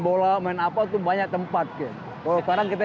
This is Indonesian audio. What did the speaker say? bola main apa itu banyak tempat kalau sekarang kita